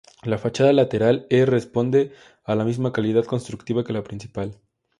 La fachada lateral E responde a la misma calidad constructiva que la principal.